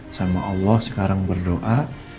sama allah sekarang berdoa